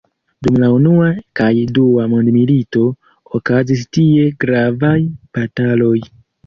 Dum la unua kaj dua mondmilitoj, okazis tie gravaj bataloj.